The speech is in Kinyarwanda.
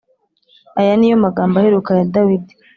Aya ni yo magambo aheruka ya Dawidi